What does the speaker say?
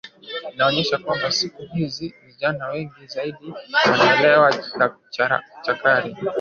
inaonyesha kwamba siku hizi vijana wengi zaidi wanalewa chakari